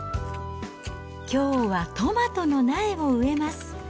きょうはトマトの苗を植えます。